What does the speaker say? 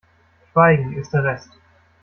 Schweigen ist der Rest.